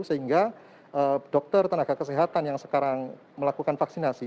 sehingga dokter tenaga kesehatan yang sekarang melakukan vaksinasi